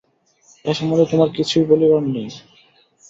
এ সম্বন্ধে তোমার কিছুই বলিবার নাই?